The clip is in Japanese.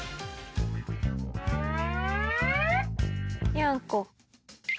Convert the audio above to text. ニャンコ。